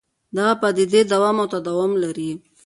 دغه پدیدې دوام او تداوم لري.